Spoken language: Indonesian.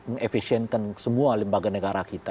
mengefisienkan semua lembaga negara kita